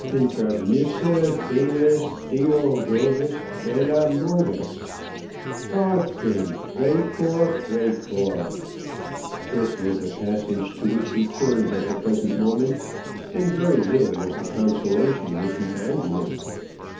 "Intermissa, Venus, diu rursus bella moves? Parce, precor, precor." This was the passage to which he turned at the present moment; and very little was the consolation which he found in it.